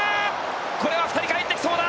これは２人帰ってきそうだ。